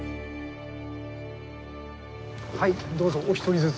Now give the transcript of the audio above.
はいどうぞお一人ずつ。